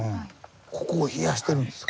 ここを冷やしてるんですか。